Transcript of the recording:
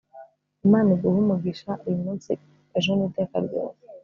imana iguhe imigisha, uyu munsi, ejo niteka ryose